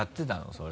それ。